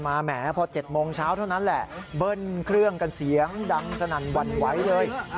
แหมพอ๗โมงเช้าเท่านั้นแหละเบิ้ลเครื่องกันเสียงดังสนั่นหวั่นไหวเลย